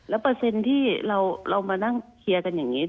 แล้วเปอร์เซ็นต์ที่เรามานั่งเคลียร์กันอย่างนี้